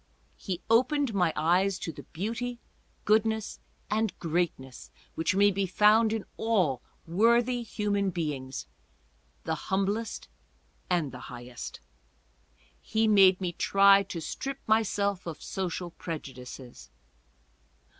He opened my eyes to the beauty, goodness and greatness which may be found in all worthy human beings, the humblest and the highest. He made me try to strip myself of social prejudices.